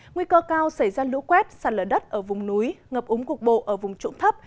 nguy cơ cao xảy ra lũ quét sạt lở đất ở vùng núi ngập úng cục bộ ở vùng trụng thấp